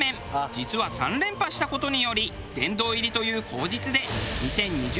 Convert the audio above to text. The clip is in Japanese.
実は３連覇した事により殿堂入りという口実で。